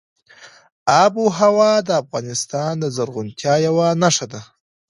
آب وهوا د افغانستان د زرغونتیا یوه نښه ده.